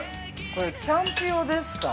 ◆これ、キャンプ用ですか。